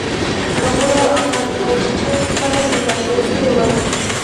خبرو او نتایجو خلک متاثره کړي وو.